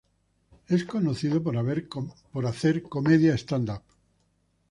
Es conocido por hacer comedia stand up.